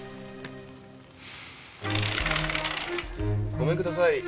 ごめんください。